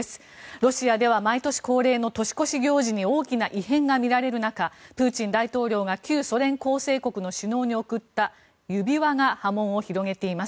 ロシアでは毎年恒例の年越し行事に大きな異変が見られる中プーチン大統領が旧ソ連構成国の首脳に贈った指輪が波紋を広げています。